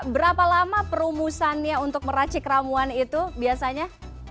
berapa lama perumusannya untuk meracik ramuan itu biasanya